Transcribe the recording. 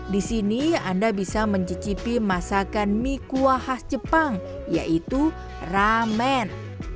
di sini anda bisa mencicipi masakan mie kuah khas jepang yaitu ramen